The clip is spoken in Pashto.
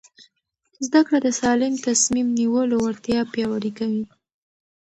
زده کړه د سالم تصمیم نیولو وړتیا پیاوړې کوي.